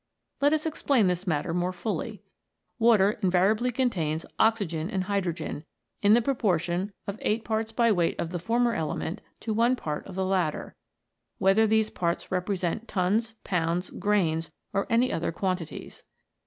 Let us explain this matter more fully. Water invariably contains oxygen and hydrogen, in the proportion of eight parts by weight of the former element to one part of the latter, whether these parts represent tons, pounds, grains, or any other quantities.